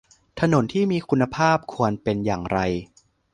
ถนนที่มีคุณภาพควรเป็นอย่างไร